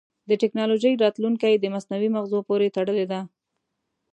د ټکنالوجۍ راتلونکی د مصنوعي مغزو پورې تړلی دی.